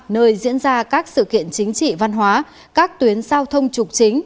nơi diễn ra các sự kiện chính trị văn hóa các tuyến giao thông trục chính